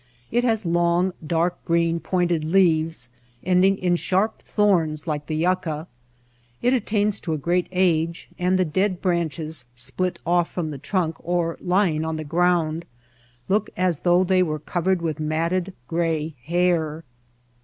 It has long, dark green, pointed leaves ending in sharp thorns like the yucca. It attains to great age and the dead branches, split off from the trunk or lying on the ground, look as though they were cov ered with matted gray hair.